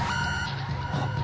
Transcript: あっ。